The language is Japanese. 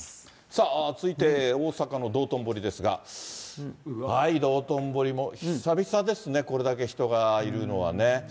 さあ続いて大阪の道頓堀ですが、はい、道頓堀も久々ですね、これだけ人がいるのはね。